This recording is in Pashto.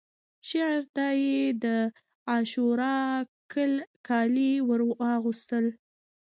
شعر ته یې د عاشورا کالي ورواغوستل